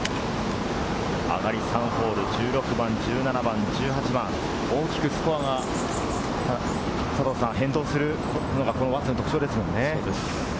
上がり３ホール、１６番、１７番、１８番、大きくスコアが変動するのがこの輪厚の特徴ですよね。